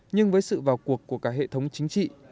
nhưng với sự vào cuộc của cả hệ thống chính trị